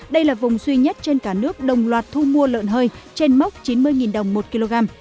đây là vùng duy nhất trên cả nước đồng loạt thu mua lợn hơi trên mốc chín mươi đồng một kg